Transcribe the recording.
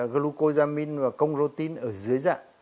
glucosamine và congrotin ở dưới dạng